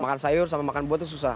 makan sayur sama makan buah itu susah